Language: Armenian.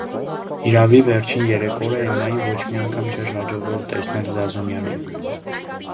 Հիրավի, վերջին երեք օրը Էմմային ոչ մի անգամ չէր հաջողվել տեսնել Զազունյանին.